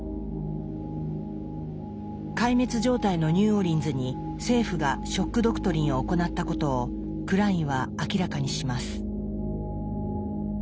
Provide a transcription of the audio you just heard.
壊滅状態のニューオーリンズに政府が「ショック・ドクトリン」を行ったことをクラインは明らかにします。